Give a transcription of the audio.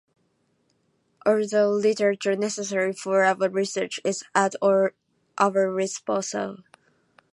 All the literature necessary for our research is at our disposal.